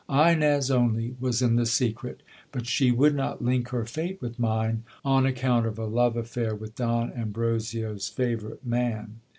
Ines only was in the secret ; but she would not link her fate with mine, on account of a love affair with Don Ambrosio's favourite man.